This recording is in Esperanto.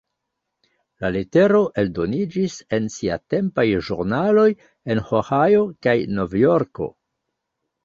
La letero eldoniĝis en siatempaj ĵurnaloj en Ohio kaj Novjorko.